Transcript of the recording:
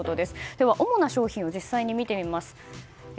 では主な商品を実際に見てみます。